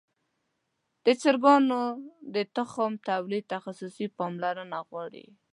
د چرګانو د تخم تولید تخصصي پاملرنه غواړي.